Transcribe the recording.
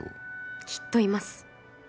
きっといます。